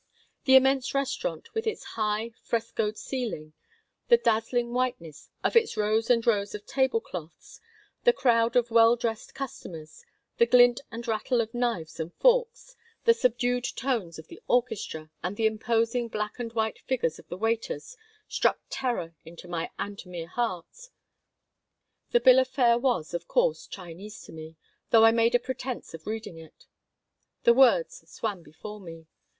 The immense restaurant, with its high, frescoed ceiling, the dazzling whiteness of its rows and rows of table cloths, the crowd of well dressed customers, the glint and rattle of knives and forks, the subdued tones of the orchestra, and the imposing black and white figures of the waiters struck terror into my Antomir heart. The bill of fare was, of course, Chinese to me, though I made a pretense of reading it. The words swam before me.